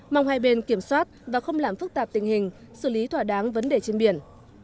mong hai bên kiểm soát và không làm phức tạp tình hình xử lý thỏa đáng vấn đề trên biển